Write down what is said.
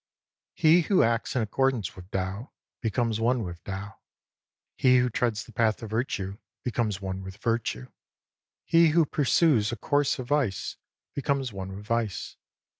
24 He who acts in accordance with Tao, becomes one with Tao. He who treads the path of Virtue becomes one with Virtue. He who pursues a course of Vice becomes one with Vice.